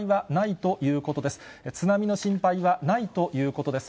津波の心配はないということです。